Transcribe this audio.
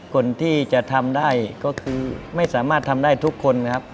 คนที่จะทำได้ก็คือไม่สามารถทำได้ทุกคนนะครับ